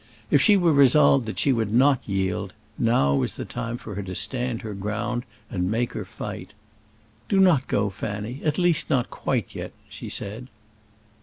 If she were resolved that she would not yield, now was the time for her to stand her ground and make her fight. "Do not go, Fanny; at least not quite yet," she said.